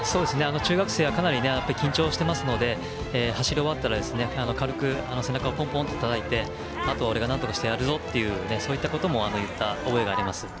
中学生はかなり緊張していますので走り終わったら軽く背中をポンポンとたたいてあとは俺がなんとかしてやるぞといったことを言った覚えがあります。